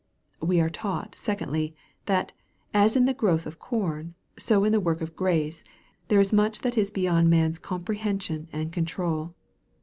We are taught, secondly, that, as in the growth of corn, so in the work of grace, there is much that is beyond man's comprehension and control.